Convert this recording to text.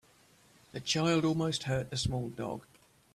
The child almost hurt the small dog.